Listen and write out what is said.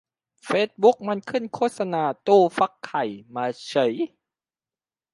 เฟซบุ๊กมันขึ้นโฆษณาตู้ฟักไข่มาเฉ๊ย